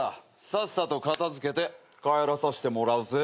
さっさと片付けて帰らさしてもらうぜ。